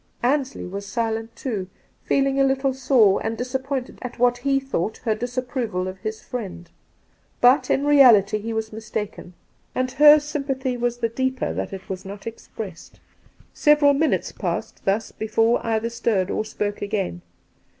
Ansley was silent, too, feeling a little sore and disappointed at what he thought her disapproval of his friend ; but in reality he was mistaken, and her sympathy was the deeper that 220 Two Christmas Days it was not expressed. Several minutes passed thus before either stirred or spoke again..